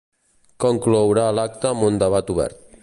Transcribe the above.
Conclourà l’acte amb un debat obert.